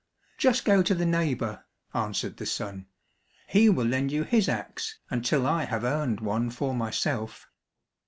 "Just go to the neighbour," answered the son, "he will lend you his axe until I have earned one for myself."